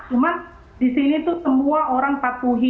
cuma di sini tuh semua orang patuhi